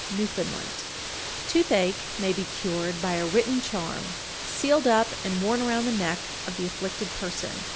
Newfoundland. 832. Toothache may be cured by a written charm, sealed up and worn around the neck of the afflicted person.